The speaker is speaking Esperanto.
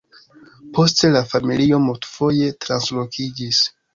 Poste la familio multfoje translokiĝis.